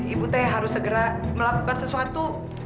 ibu teh harus segera melakukan sesuatu